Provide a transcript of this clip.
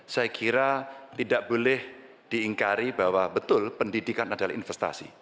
saya kira tidak boleh diingkari bahwa betul pendidikan adalah investasi